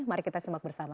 mari kita sembak bersama